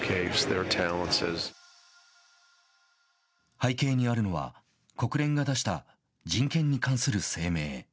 背景にあるのは国連が出した人権に関する声明。